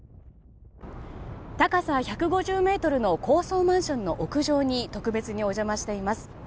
高さ１５０ｍの高層マンションの屋上に特別にお邪魔しています。